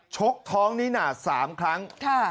ชกท้องนิน่า๓ครั้ง